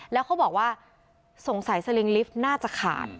แล้วเขาบอกว่าสงสัยสลิงลิฟต์น่าจะขาด